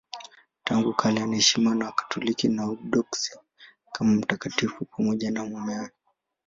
Tangu kale anaheshimiwa na Wakatoliki na Waorthodoksi kama mtakatifu pamoja na mumewe.